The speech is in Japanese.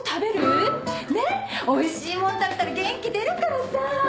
おいしいもん食べたら元気出るからさ！